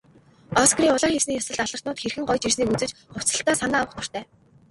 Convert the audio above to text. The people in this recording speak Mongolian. Оскарын улаан хивсний ёслолд алдартнууд хэрхэн гоёж ирснийг үзэж, хувцаслалтдаа санаа авах дуртай.